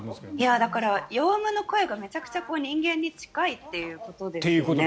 だからヨウムの声がめちゃくちゃ人間に近いっていうことですよね。